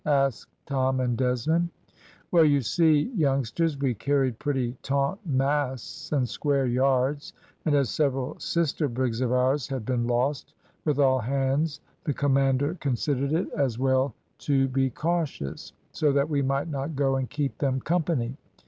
asked Tom and Desmond. "Well, you see, youngsters, we carried pretty taunt masts and square yards; and as several sister brigs of ours had been lost, with all hands, the commander considered it as well to be cautious, so that we might not go and keep them company.